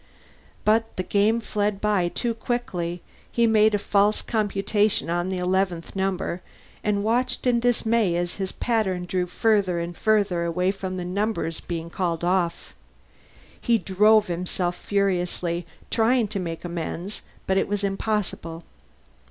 But the game fled by too quickly; he made a false computation on the eleventh number and watched in dismay as his pattern drew further and further away from the numbers being called off. He drove himself furiously, trying to make amends, but it was impossible.